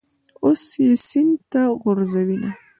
اوس یې سین ته غورځوینه.